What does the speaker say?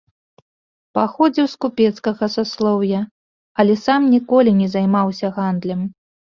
Паходзіў з купецкага саслоўя, але сам ніколі не займаўся гандлем.